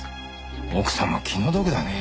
奥さんも気の毒だねえ。